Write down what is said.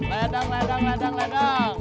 ledang ledang ledang ledang